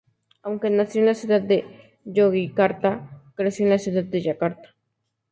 Aunque nació en la ciudad de Yogyakarta, creció en la ciudad de Yakarta.